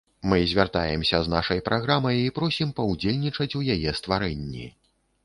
Мы звяртаемся з нашай праграмай і просім паўдзельнічаць у яе стварэнні.